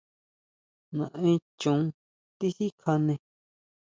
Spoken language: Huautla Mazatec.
¿Naen choón tisikjané?